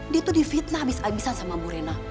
dia tuh difitnah habis habisan sama bu rena